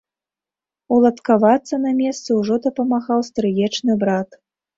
Уладкавацца на месцы ўжо дапамагаў стрыечны брат.